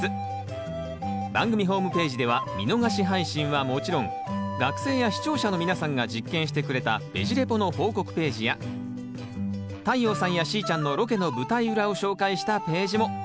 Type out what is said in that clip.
番組ホームページでは見逃し配信はもちろん学生や視聴者の皆さんが実験してくれたベジ・レポの報告ページや太陽さんやしーちゃんのロケの舞台裏を紹介したページも。